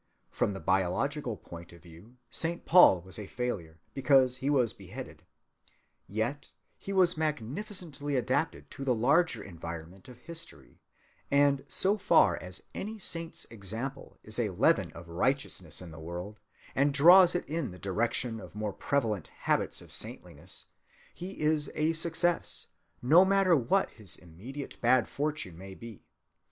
From the biological point of view Saint Paul was a failure, because he was beheaded. Yet he was magnificently adapted to the larger environment of history; and so far as any saint's example is a leaven of righteousness in the world, and draws it in the direction of more prevalent habits of saintliness, he is a success, no matter what his immediate bad fortune may be.